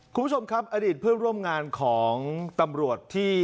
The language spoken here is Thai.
คุณผู้ชมครับอดีตเพื่อนร่วมงานของตำรวจที่